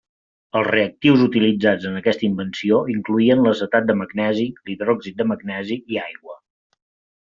Els reactius utilitzats en aquesta invenció incloïen l'acetat de magnesi, l'hidròxid de magnesi i aigua.